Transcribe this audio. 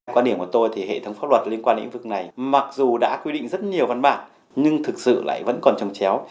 quan điểm của tôi thì hệ thống pháp luật liên quan đến lĩnh vực này mặc dù đã quy định rất nhiều văn bản nhưng thực sự lại vẫn còn trồng chéo